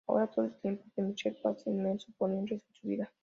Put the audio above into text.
Ahora, todo el tiempo que Michael pasa inmerso, pone en riesgo su vida.